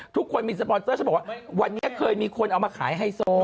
ทุกคนมีสปอนเซอร์ฉันบอกว่าวันนี้เคยมีคนเอามาขายไฮโซ